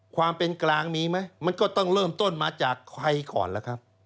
ความเป็นกลางมีไหมมันก็ต้องเริ่มต้นมาจากใครก่อนล่ะครับ